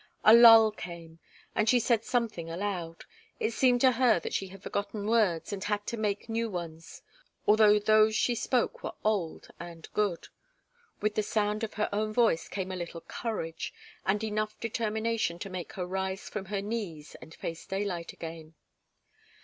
A lull came, and she said something aloud. It seemed to her that she had forgotten words and had to make new ones although those she spoke were old and good. With the sound of her own voice came a little courage, and enough determination to make her rise from her knees and face daylight again.